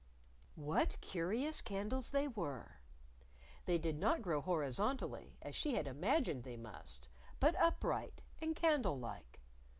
What curious candles they were! They did not grow horizontally, as she had imagined they must, but upright and candle like.